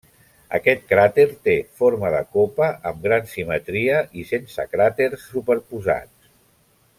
Aquest cràter té forma de copa, amb gran simetria, i sense cràters superposats.